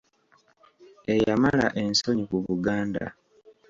Eyamala ensonyi ku Baganda.